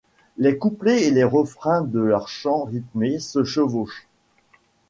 Les couplets et les refrains de leur chant rythmé se chevauchent.